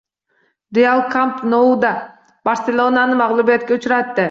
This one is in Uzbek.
“Real” “Kamp Nou”da “Barselona”ni mag‘lubiyatga uchratdi